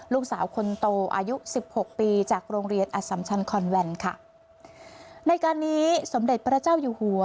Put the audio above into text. ลูกสาวคนโตอายุสิบหกปีจากโรงเรียนอสัมชันคอนแวนค่ะในการนี้สมเด็จพระเจ้าอยู่หัว